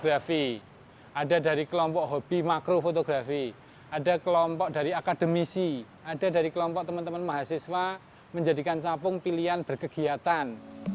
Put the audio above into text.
ada dari kelompok hobi makro fotografi ada kelompok dari akademisi ada dari kelompok teman teman mahasiswa menjadikan capung pilihan berkegiatan